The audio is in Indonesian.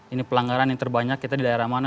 ini pelanggaran yang terbanyak kita di daerah mana